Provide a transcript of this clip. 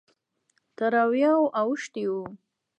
تر اویاوو اوښتی و.